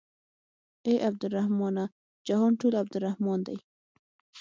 اې عبدالرحمنه جهان ټول عبدالرحمن دى.